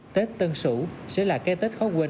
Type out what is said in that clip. tết tân sửu sẽ là cái tết khó quên